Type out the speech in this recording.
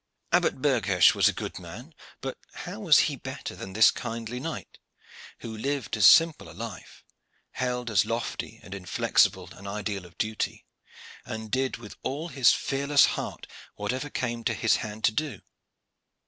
Abbot Berghersh was a good man, but how was he better than this kindly knight, who lived as simple a life, held as lofty and inflexible an ideal of duty, and did with all his fearless heart whatever came to his hand to do?